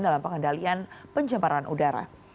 dalam pengendalian pencemaran udara